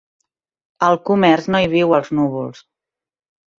El comerç no hi viu als núvols.